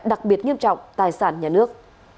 đặc biệt nghiêm trọng tài sản nhà nước